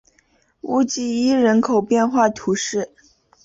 乌济伊人口变化图示